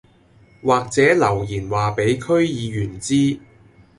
或者留言話俾區議員知